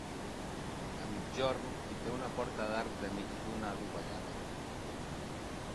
A migjorn hi té una porta d'arc de mig punt adovellada.